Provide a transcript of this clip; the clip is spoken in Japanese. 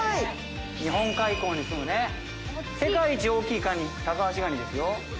日本海溝に住むね、世界一大きいカニ、タカアシガニですよ。